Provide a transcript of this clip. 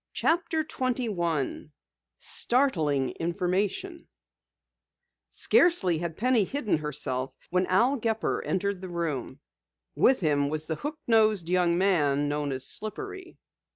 CHAPTER 21 STARTLING INFORMATION Scarcely had Penny hidden herself when Al Gepper entered the room. With him was the hook nosed young man known as Slippery.